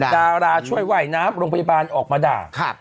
ดาราช่วยว่ายน้ำร่วงพยพลันธุ์ออกมาด่า